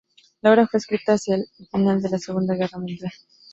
La obra fue escrita hacia el final de la Segunda Guerra Mundial.